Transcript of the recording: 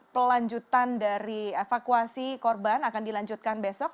pelanjutan dari evakuasi korban akan dilanjutkan besok